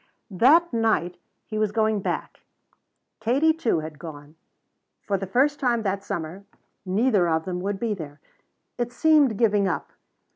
That night he was going back. Katie, too, had gone. For the first time that summer neither of them would be there. It seemed giving up.